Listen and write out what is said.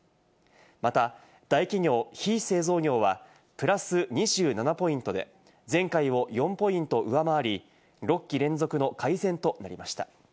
また、大企業・非製造業はプラス２７ポイントで、前回を４ポイント上回り、６期連続の改善となりました。